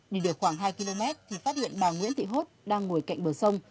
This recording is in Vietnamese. nhìn được khoảng hai km thì phát hiện bà nguyễn thị hốt đang ngồi cạnh bờ sông